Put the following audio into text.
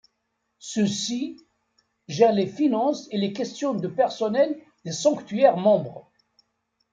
Ceux-ci gèrent les finances et les questions de personnel des sanctuaires membres.